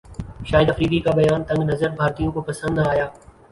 شاہد افریدی کا بیان تنگ نظر بھارتیوں کو پسند نہ ایا